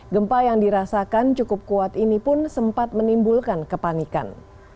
gempa yang dirasakan cukup kuat ini pun sempat menimbulkan kepanikan